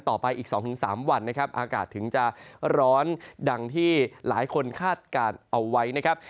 ต่อไปอีก๒๓วันนะครับอากาศถึงจะร้อนดังที่หลายคนคาดการณ์เอาไว้นะครับ